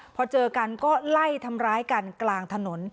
พอเจอกันก็ไล่ทำร้ายกันกลางถนน